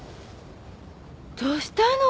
どうしたの？